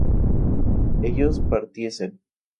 ellos partiesen